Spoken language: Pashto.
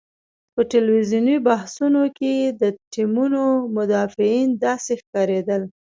په ټلویزیوني بحثونو کې د ټیمونو مدافعین داسې ښکارېدل.